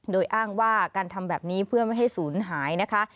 โดยอ้างว่าการทำแบบนี้เพื่อไม่ให้ศูนย์หายนะคะ